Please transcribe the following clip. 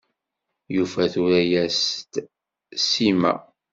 Yufa tura-yas-d Sima.